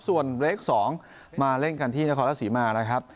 ส่วนเล็กซ์๒มาเล่นกันที่นักคอร์เตะสีมานะครับ